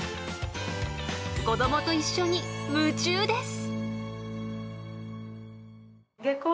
［子供と一緒に夢中です］